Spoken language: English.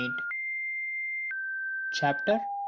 CHAPTER II.